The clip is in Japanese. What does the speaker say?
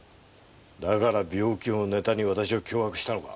だから病気をネタに私を脅迫したのか？